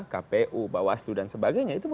kpu bawastu dan sebagainya